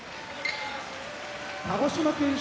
鹿児島県出身